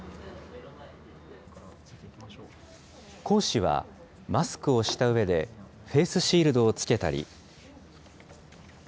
講師はマスクをしたうえで、フェースシールドを着けたり。